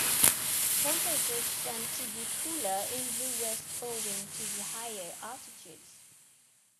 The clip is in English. Temperatures tend to be cooler in the west owing to the higher altitudes.